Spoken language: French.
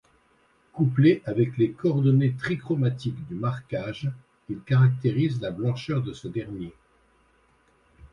Couplé avec les coordonnées trichromatiques du marquage, il caractérise la blancheur de ce dernier.